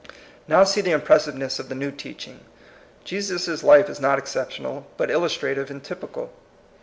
Now see the impressiveness of the new teaching. Jesus* life is not exceptional, but illustrative and typical.